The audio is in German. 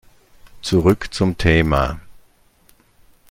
Zurück zum Thema.